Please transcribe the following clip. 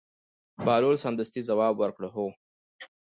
بهلول سمدستي ځواب ورکړ: هو.